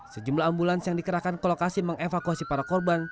sejumlah ambulans yang dikerahkan ke lokasi mengevakuasi para korban